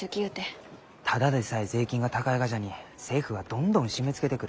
ただでさえ税金が高いがじゃに政府はどんどん締めつけてくる。